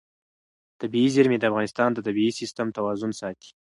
طبیعي زیرمې د افغانستان د طبعي سیسټم توازن ساتي.